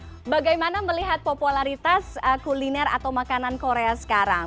oke bagaimana melihat popularitas kuliner atau makanan korea sekarang